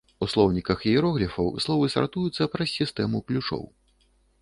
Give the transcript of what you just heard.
У слоўніках іерогліфаў словы сартуюцца праз сістэму ключоў.